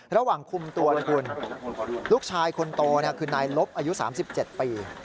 ระหว่างคุมตัวนะคุณลูกชายคนโตคือนายลบอายุ๓๗ปี